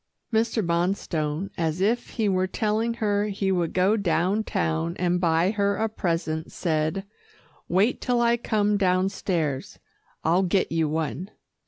Mr. Bonstone, as if he were telling her he would go down town and buy her a present, said, "Wait till I come downstairs. I'll get you one."